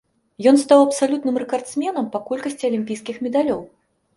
Ён стаў абсалютным рэкардсменам па колькасці алімпійскіх медалёў.